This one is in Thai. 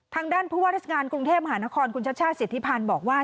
ทางด้านผู้ว่าราชการกรุงเทพมหานครคุณชัชชาติสิทธิพันธ์บอกว่า